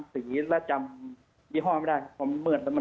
ประมาณนี้ครับ